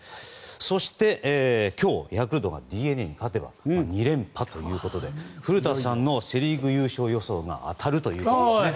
そして、今日ヤクルトがＤｅＮＡに勝てば２連覇ということで古田さんのセ・リーグ優勝予想が当たるということですね。